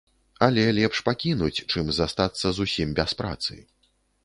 Але лепш пакінуць, чым застацца зусім без працы.